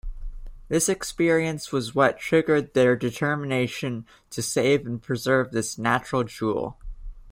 This experience was what triggered their determination to save and preserve this "natural jewel".